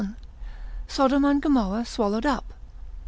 Sodom and Gomorrah swallowed up.